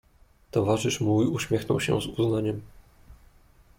"Towarzysz mój uśmiechnął się z uznaniem."